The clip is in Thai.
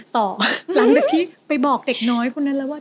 ต่อหลังจากไปบอกเด็กน้อยคุณนั้นว่า